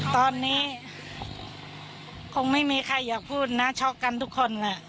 ตอนนี้คงไม่มีใครอยากพูดนะช็อกกันทุกคนแหละ